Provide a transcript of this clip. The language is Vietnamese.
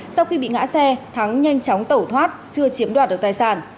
sau khi bị ngã xe thắng nhanh chóng tẩu thoát chưa chiếm đoạt được tài sản